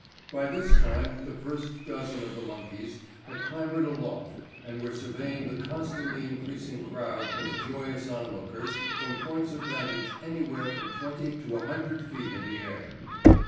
By this time the first dozen of the monkeys had clambered aloft and were surveying the constantly increasing crowd of joyous onlookers from points of vantage anywhere from twenty to a hundred feet in the air.